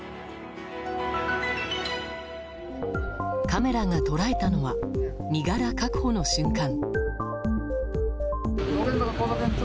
カメラが捉えたのは身柄確保の瞬間。